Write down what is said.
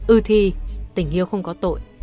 ư thi tình yêu không có tội